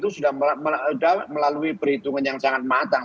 sudah melalui perhitungan yang sangat matang